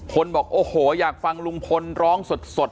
บอกโอ้โหอยากฟังลุงพลร้องสด